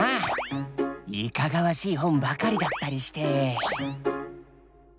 いかがわしい本ばかりだったりして。